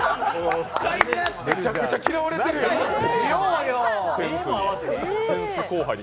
めちゃくちゃ嫌われてるやん、後輩に。